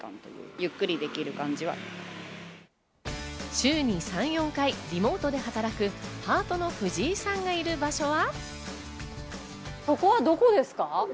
週に３、４回リモートで働くパートの藤井さんがいる場所は。